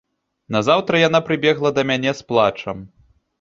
Назаўтра яна прыбегла да мяне з плачам.